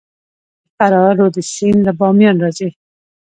د فراه رود سیند له بامیان راځي